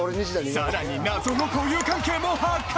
さらに謎の交友関係も発覚！